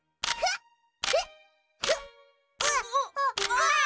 わっ！